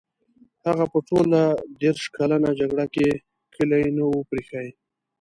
هغه په ټوله دېرش کلنه جګړه کې کلی نه وو پرې ایښی.